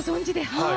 はい。